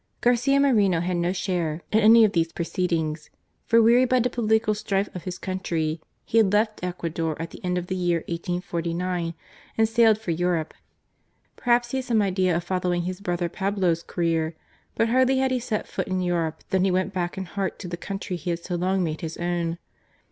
Garcia Moreno had no share in any of these proceedings, for wearied by the political strife of his country he had left Ecuador at the end of the year 1849, and sailed for Europe. Perhaps he had some idea of following his brother Pablo's career; but hardly had he set foot in Europe than he went back in heart to the country he had so long made his own.